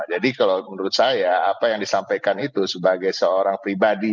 jadi kalau menurut saya apa yang disampaikan itu sebagai seorang pribadi